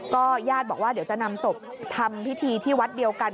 ญาติบอกว่าเดี๋ยวจะนำศพทำพิธีที่วัดเดียวกัน